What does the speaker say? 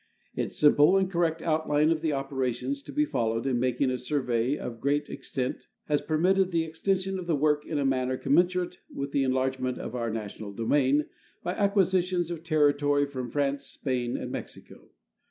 Its sim])le and correct outline of the operations to be followed in making a survey of great extent has permitted the extension of the work in a manner commensurate with the enlargement of our national domain by acquisitions of territory from France, Spain, and Mexico.